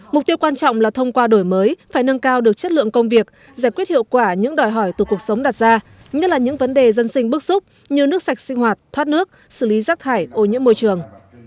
mục tiêu quan trọng là thông qua đổi mới phải nâng cao được chất lượng công việc giải quyết hiệu quả những đòi hỏi từ cuộc sống đặt ra nhất là những vấn đề dân sinh bước xúc như nước sạch sinh hoạt thoát nước xử lý rác thải ô nhiễm môi trường